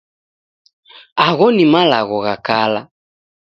Agho ni malagho gha kala.